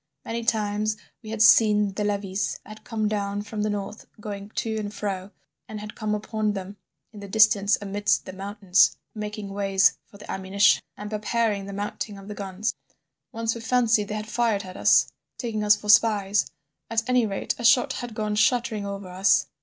Many times we had seen the levies that had come down from the north going to and fro, and had come upon them in the distance amidst the mountains making ways for the ammunition and preparing the mounting of the guns. Once we fancied they had fired at us, taking us for spies—at any rate a shot had gone shuddering over us.